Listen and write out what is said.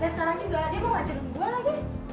ternyata dari sekarang juga dia mau ngajarin gue lagi